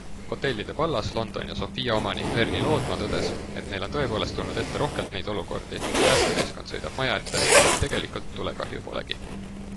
Hotellide Pallas, London ja Sophia omanik Verni Loodmaa tõdes, et neil on tõepoolest tulnud ette rohkelt neid olukordi, kui päästemeeskond sõidab maja ette, kuid tegelikult tulekahju polegi.